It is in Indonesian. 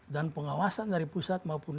dan pengawasan dari pusat maupun